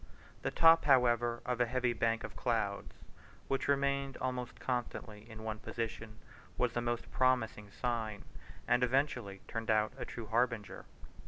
The top, however, of a heavy bank of clouds, which remained almost constantly in one position, was the most promising sign, and eventually turned out a true harbinger.